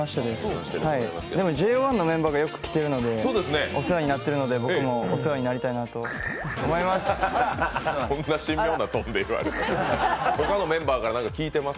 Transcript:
でもＪＯ１のメンバーがよく来ているので、お世話になっているので僕もお世話になりたいなと思います！